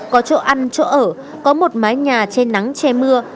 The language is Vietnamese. có chỗ ăn chỗ ở có một mái nhà che nắng che mưa